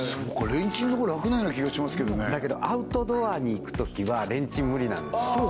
レンチンのほうが楽なような気がしますけどねだけどアウトドアに行くときはレンチン無理なんですよ